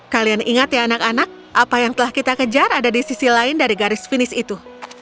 kalian ingat ya anak anak apa yang telah kita kejar ada di sisi lain dari garis finis itu